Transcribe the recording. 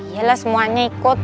yelah semuanya ikut